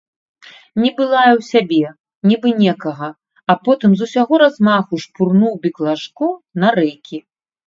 Нібы лаяў сябе, нібы некага, а потым з усяго размаху шпурнуў біклажку на рэйкі.